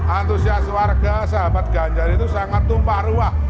antusias warga sahabat ganjar itu sangat tumpah ruah